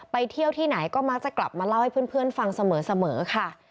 เที่ยวที่ไหนก็มักจะกลับมาเล่าให้เพื่อนฟังเสมอค่ะ